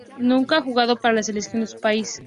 Nunca ha jugado para la selección de su país.